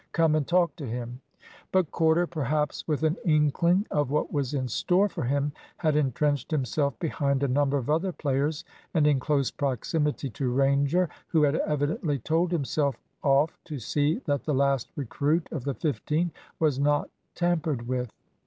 Come and talk to him." But Corder, perhaps with an inkling of what was in store for him, had entrenched himself behind a number of other players, and in close proximity to Ranger, who had evidently told himself off to see that the last recruit of the fifteen was not tampered with.